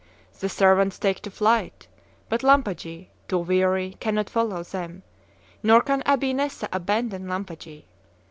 The servants take to flight; but Lampagie, too weary, cannot follow them, nor can Abi Nessa abandon Lampagie.